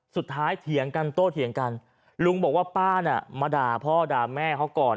เถียงกันโต้เถียงกันลุงบอกว่าป้าน่ะมาด่าพ่อด่าแม่เขาก่อน